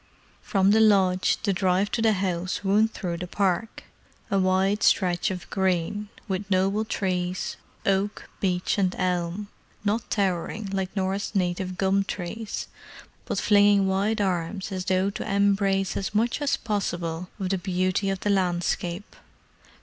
From the lodge the drive to the house wound through the park—a wide stretch of green, with noble trees, oak, beech and elm; not towering like Norah's native gum trees, but flinging wide arms as though to embrace as much as possible of the beauty of the landscape.